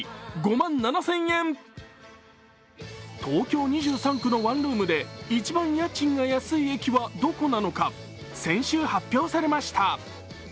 東京２３区のワンルームで一番家賃が安い駅はどこなのか先週、発表されました。